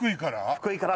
福井から？